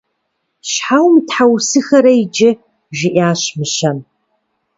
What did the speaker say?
Щхьэ умытхьэусыхэрэ иджы? – жиӏащ мыщэм.